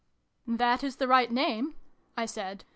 " That is the right name," I said.